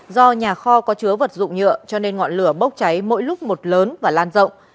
do nhà kho có chứa vật dụng nhựa cho nên ngọn lửa bốc cháy mỗi lúc một lớn và lan rộng